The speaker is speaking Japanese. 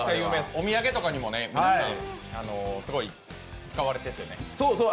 お土産とかにも皆さん、すごい使われていてね。